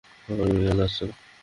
ওমর ফারুক আগামীকাল আসছে না।